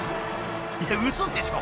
［いや嘘でしょ？